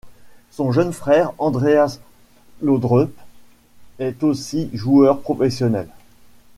Son jeune frère, Andreas Laudrup, est aussi joueur professionnel.